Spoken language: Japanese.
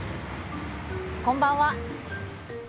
こんばんは。